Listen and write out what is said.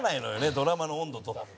ドラマの温度と。